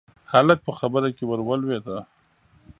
هلک په خبره کې ورولوېد: